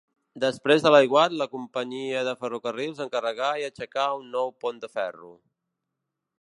Després de l'aiguat, la companyia de ferrocarrils encarregà i aixecà un nou pont de ferro.